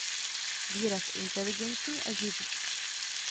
Výraz inteligentní a živý.